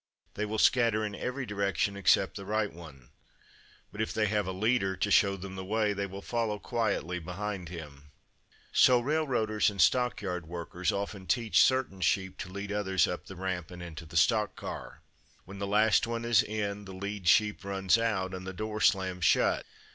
They will scatter in every direction except the right one. But, if they have a leader to show them the way, they will follow quietly behind him. So railroaders and stockyard workers often teach certain sheep to lead others up the ramp and into the stock car. When the last one is in, the lead sheep runs out, and the door slams shut.